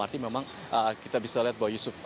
artinya memang kita bisa lihat bahwa yusuf